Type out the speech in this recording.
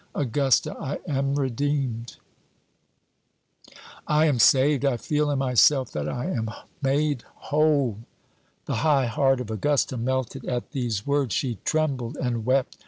"Augusta, I am redeemed I am saved I feel in myself that I am made whole." The high heart of Augusta melted at these words. She trembled and wept.